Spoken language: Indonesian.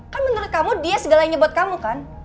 kan menurut kamu dia segalanya buat kamu kan